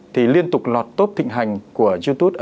thì liên tục lọt tốt thịnh hành của youtube